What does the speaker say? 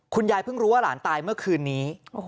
เพิ่งรู้ว่าหลานตายเมื่อคืนนี้